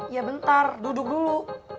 ya bentar duduk dulu